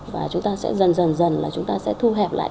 và chúng ta sẽ dần dần là chúng ta sẽ thu hẹp lại